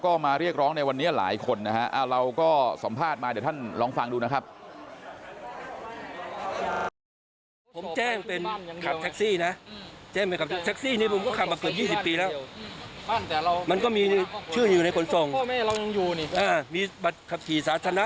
แต่มันก็มีชื่ออยู่ในคนทรงเพราะคู่มีที่สาธารณะ